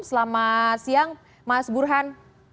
selamat siang mas burhan